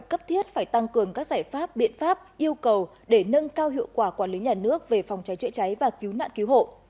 cấp thiết phải tăng cường các giải pháp biện pháp yêu cầu để nâng cao hiệu quả quản lý nhà nước về phòng cháy chữa cháy và cứu nạn cứu hộ